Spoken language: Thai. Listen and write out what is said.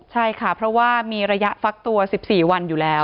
ใช่ค่ะเพราะว่ามีระยะฟักตัว๑๔วันอยู่แล้ว